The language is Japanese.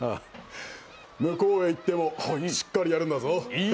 向こうへ行ってもしっかりやるんだぞ。